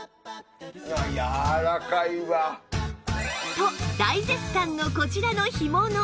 と大絶賛のこちらの干物